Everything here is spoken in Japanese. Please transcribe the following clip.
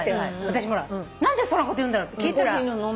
何でそんなこと言うんだろうって聞いたら。